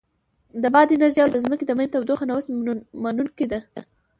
د باد انرژي او د ځمکې د منځ تودوخه نوښت منونکې ده.